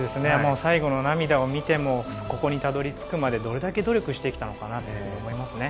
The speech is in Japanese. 最後の涙を見てもここにたどり着くまでどれだけ努力してきたのかなと思いますね。